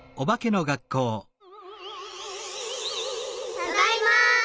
ただいま。